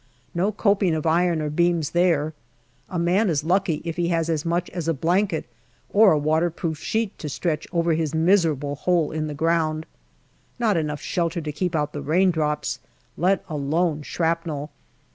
No coping of iron or beams there. A man is lucky if he has as much as a blanket or a waterproof sheet to stretch over his miserable hole in the ground not enough shelter to keep out the raindrops, let alone shrapnel.